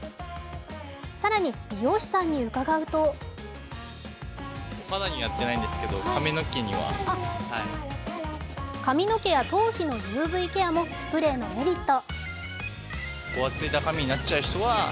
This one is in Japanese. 更に、美容師さんに伺うと髪の毛や頭皮のＵＶケアもスプレーのメリット。